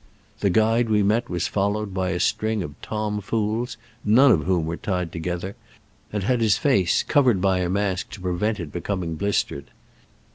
The guide we met was followed by a string of tom fools, none of whom were tied together, and had his face covered by a mask to prevent it becoming blistered.